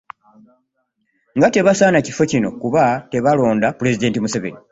Nga tebasaana kifo kino kuba tebaalonda Pulezidenti Museveni.